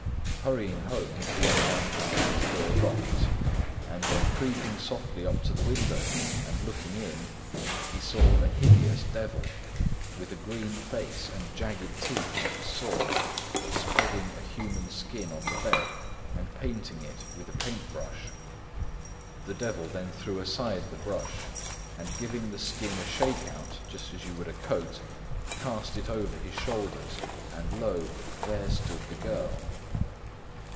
Hurrying home, the young man found his door locked; and on creeping softly up to the window and looking in, he saw a hideous devil, with a green face and jagged teeth like a saw, spreading a human skin on the bed, and painting it with a paint brush. The devil then threw aside the brush, and giving the skin a shake out, just as you would a coat, cast it over its shoulders, when lo! there stood the girl.